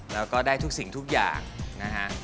แล้วก็ได้ทุกสิ่งทุกอย่างนะฮะ